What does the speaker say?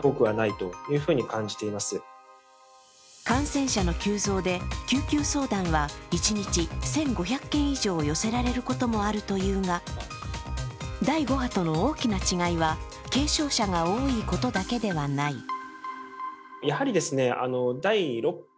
感染者の急増で救急相談は一日１５００件以上寄せられることもあるというが、第５波との大きな違いは軽症者が多いことだけではない。